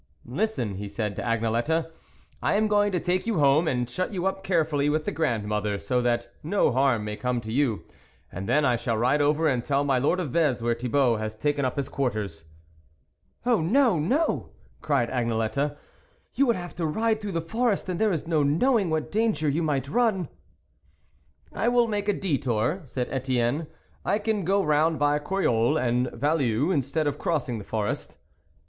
" Listen," he said to Agnelette, " I am going to take you home and shut you up carefully with the grandmother, so that no harm may come to you ; and then I shall ride over and tell my lord of Vez where Thibault has taken up his quarters." " Oh ! no, no !" cried Agnelette, " you would have to ride through the forest, and there is no knowing what danger you might run." " I will make a detour " said Etienne, " I can go round by Croyolles and Value instead of crossing the forest."